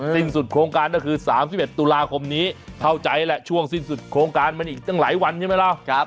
สิ้นสุดโครงการก็คือ๓๑ตุลาคมนี้เข้าใจแหละช่วงสิ้นสุดโครงการมันอีกตั้งหลายวันใช่ไหมล่ะ